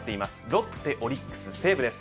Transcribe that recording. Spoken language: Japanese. ロッテ、オリックス、西武です。